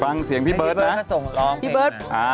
ฟังเสียงพี่เบิร์ตนะ